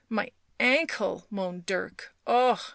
" My ankle," moaned Dirk. " Ah